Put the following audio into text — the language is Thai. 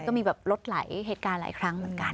ก็มีแบบรถหลายเหตุการณ์หลายครั้งเหมือนกัน